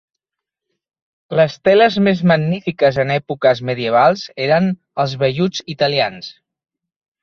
Les teles més magnífiques en èpoques medievals eren els velluts italians.